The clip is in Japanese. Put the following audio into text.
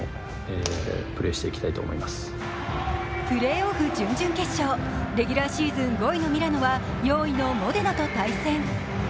プレーオフ準々決勝、レギュラーシーズン５位のミラノは４位のモデナと対戦。